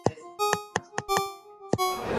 محلي حاکمان د مغولو تر حاکمانو کمزوري دي.